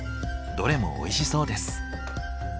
どれもおいしそうです。